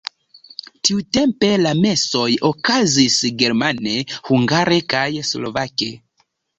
Tiutempe le mesoj okazis germane, hungare kaj slovake.